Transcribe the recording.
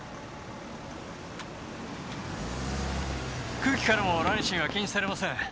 空気からもラニシンは検出されません。